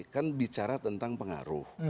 kan bicara tentang pengaruh